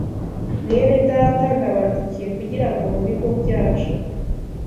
Mwenedata, ndabandikiye kugira ngo mu bigo byacu